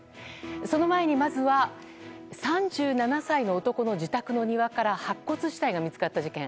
その前にまずは３７歳の男の自宅の庭から白骨死体が見つかった事件。